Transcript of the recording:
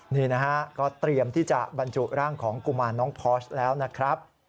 นี่นะฮะก็เตรียมที่จะบรรจุร่างของกุมารน้องพอสแล้วนะครับ